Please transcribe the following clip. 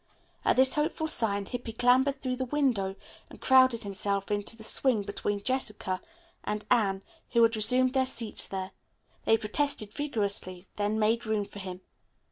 At this hopeful sign Hippy clambered through the window and crowded himself into the swing between Jessica and Anne, who had resumed their seats there. They protested vigorously, then made room for him.